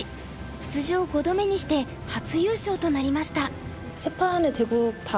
出場５度目にして初優勝となりました。